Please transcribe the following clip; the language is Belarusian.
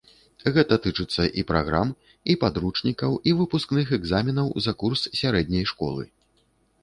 Гэта тычыцца і праграм, і падручнікаў, і выпускных экзаменаў за курс сярэдняй школы.